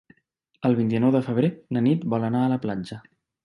El vint-i-nou de febrer na Nit vol anar a la platja.